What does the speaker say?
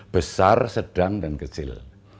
besar sedang dan kecil